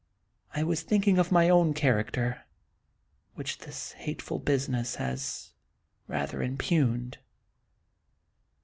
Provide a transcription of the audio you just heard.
I was thinking of my own character, which this hateful business has rather impugned."